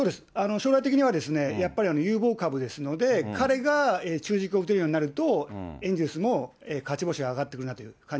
将来的にはやっぱり有望株ですので、彼が中軸を打てるようになると、エンゼルスも勝ち星が上がってくるなという感